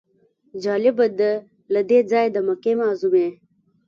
جالبه ده له دې ځایه د مکې معظمې.